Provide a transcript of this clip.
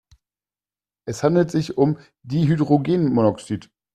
Es handelt sich um Dihydrogenmonoxid.